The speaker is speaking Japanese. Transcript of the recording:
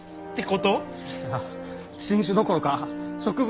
あ新種どころか植物